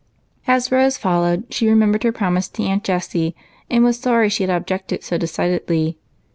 As Rose followed she remembered her promise to Aunt Jessie, and was sorry she had objected so decid edly.